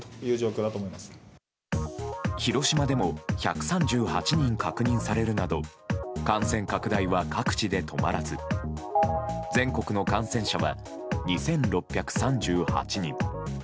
広島でも１３８人確認されるなど感染拡大は各地で止まらず全国の感染者は２６３８人。